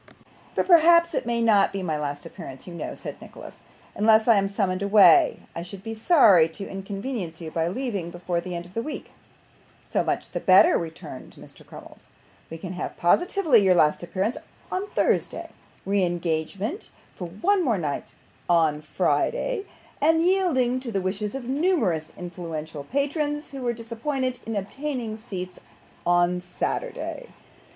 'But perhaps it may not be my last appearance, you know,' said Nicholas. 'Unless I am summoned away, I should be sorry to inconvenience you by leaving before the end of the week.' 'So much the better,' returned Mr. Crummles. 'We can have positively your last appearance, on Thursday re engagement for one night more, on Friday and, yielding to the wishes of numerous influential patrons, who were disappointed in obtaining seats, on Saturday.